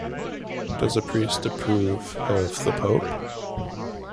Does a priest approve the Pope?